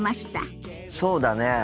そうだね。